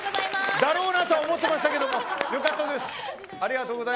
だろうなと思ってましたけどよかったです。